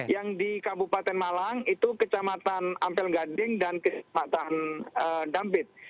yang di kabupaten malang itu kecamatan ampel gading dan kecamatan dampit